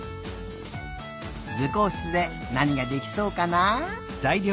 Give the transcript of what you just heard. ずこうしつでなにができそうかな？